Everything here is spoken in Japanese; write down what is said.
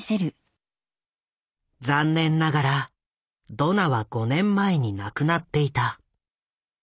残念ながらドナは５年前に亡くなっていた。